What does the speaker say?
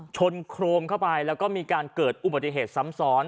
โครงเข้าไปแล้วก็มีการเกิดอุบัติเหตุซ้ำซ้อน